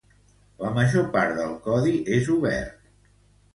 La major part del codi és obert.